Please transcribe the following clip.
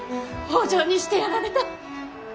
北条にしてやられた。